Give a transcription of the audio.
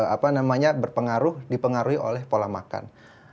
apa namanya berpengaruh dipengaruhi oleh pola makan